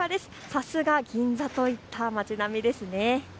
さすが銀座といった街並みですね。